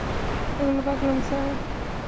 এগুলো পাগলামি, সারাহ।